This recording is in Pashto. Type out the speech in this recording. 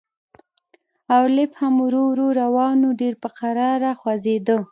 او لفټ هم ورو ورو روان و، ډېر په کراره خوځېده.